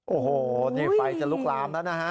โอ้โหนี่ไฟจะลุกลามแล้วนะฮะ